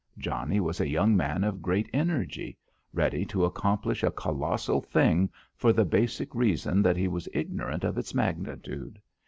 Johnnie was a young man of great energy, ready to accomplish a colossal thing for the basic reason that he was ignorant of its magnitude.